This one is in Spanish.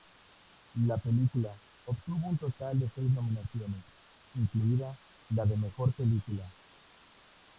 La película obtuvo un total de seis nominaciones, incluida la de mejor película.